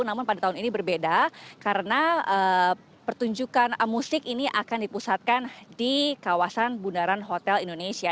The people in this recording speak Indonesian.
namun pada tahun ini berbeda karena pertunjukan musik ini akan dipusatkan di kawasan bundaran hotel indonesia